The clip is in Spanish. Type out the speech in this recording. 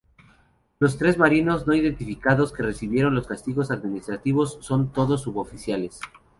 Los tres marinos no identificados que recibieron los castigos administrativos son todos suboficiales.